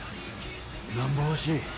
なんぼ欲しい？